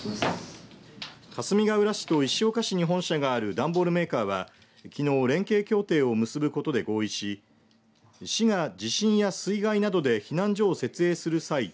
かすみがうら市と石岡市に本社がある段ボールメーカーはきのう連携協定を結ぶことで合意し市が、地震や水害などで避難所を設営する際に